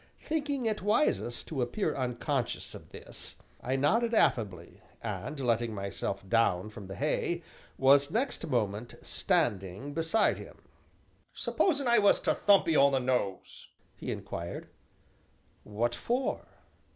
Thinking it wisest to appear unconscious of this, I nodded affably, and letting myself down from the hay, was next moment standing beside him. "Supposin' I was to thump 'ee on the nose?" he inquired. "What for?"